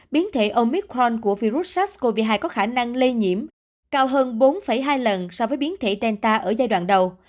biến thể omicron của virus sars cov hai có khả năng lây nhiễm cao hơn bốn hai lần so với biến thể delta ở giai đoạn đầu